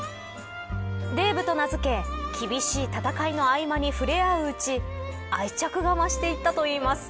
デーブと名付け厳しい戦いの合間に触れ合ううち愛着が増していったといいます。